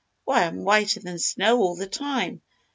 Why, I'm whiter than snow all the time.